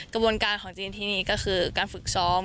กระบวนการของจีนที่นี่ก็คือการฝึกซ้อม